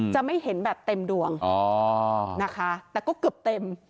จะไม่เห็นแบบเต็มดวงนะคะแต่ก็เกือบเต็ม